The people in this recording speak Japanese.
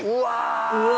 うわ！